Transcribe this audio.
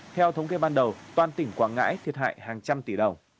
theo thống kê ban đầu toàn tỉnh quảng ngãi thiệt hại hàng trăm tỷ đồng